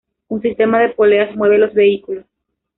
Un sistema de poleas mueve los vehículos.